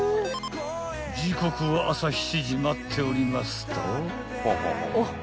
［時刻は朝７時待っておりますと］